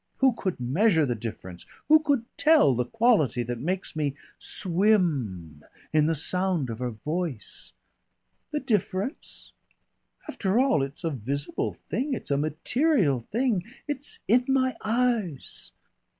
Who could measure the difference, who could tell the quality that makes me swim in the sound of her voice.... The difference? After all, it's a visible thing, it's a material thing! It's in my eyes.